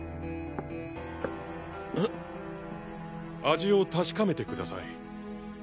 味を確かめてください。